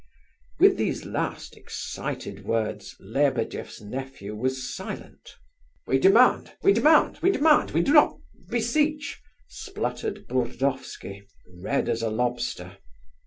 With these last excited words, Lebedeff's nephew was silent. "We demand, we demand, we demand, we do not beseech," spluttered Burdovsky, red as a lobster.